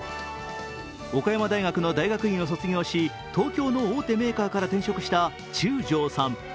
岡山大学の大学院を卒業し東京の大手メーカーから転職した中條さん。